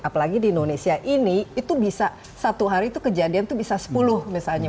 apalagi di indonesia ini itu bisa satu hari itu kejadian itu bisa sepuluh misalnya